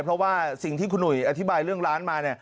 เพราะว่าสิ่งที่คุณหุยอธิบายเรื่องร้านมา